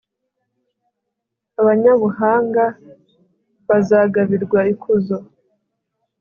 abanyabuhanga bazagabirwa ikuzo,